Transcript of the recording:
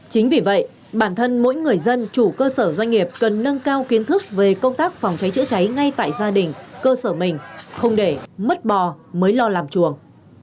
chính vì vậy bản thân mỗi người dân chủ cơ sở doanh nghiệp cần nâng cao kiến thức về công tác phòng cháy chữa cháy ngay tại gia đình cơ sở mình không để mất bò mới lo làm chuồng